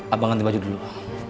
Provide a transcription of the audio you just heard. aku nganti baju dulu